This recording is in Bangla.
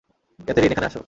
ক্যাথেরিন, এখানে আস।